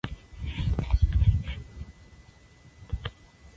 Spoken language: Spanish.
Es una precuela de "La Visigoda".